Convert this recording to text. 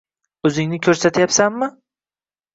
O`zingni ko`rsatyapsanmi